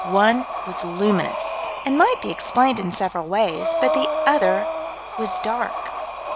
One was luminous, and might be explained in several ways, but the other was dark.